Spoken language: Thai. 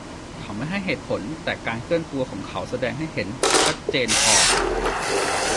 เขาไม่ให้เหตุผล แต่การเคลื่อนตัวของเขาแสดงให้เห็นชัดเจนพอ